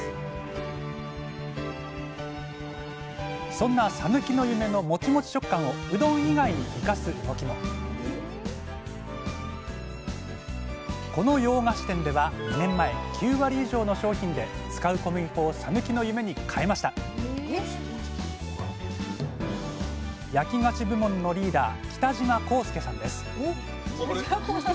そんなさぬきの夢のモチモチ食感をうどん以外に生かす動きもこの洋菓子店では２年前９割以上の商品で使う小麦粉をさぬきの夢に変えました焼き菓子部門のリーダー